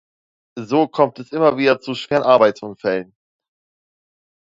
So kommt es immer wieder zu schweren Arbeitsunfällen.